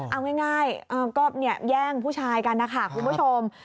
เอาง่ายก็แย่งผู้ชายกันนะคะคุณผู้ชม